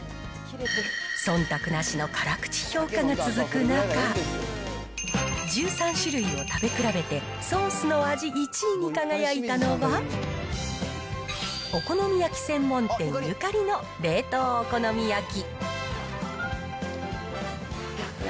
そんたくなしの辛口評価が続く中、１３種類を食べ比べて、ソースの味１位に輝いたのは、お好み焼き専門店、ゆかりの冷凍お好み焼き。